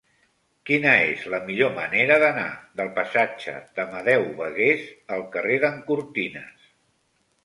Quina és la millor manera d'anar del passatge d'Amadeu Bagués al carrer d'en Cortines?